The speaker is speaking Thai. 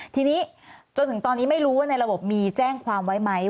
ทีนี้จนถึงตอนนี้ไม่รู้ว่าในระบบมีแจ้งความไว้ไหม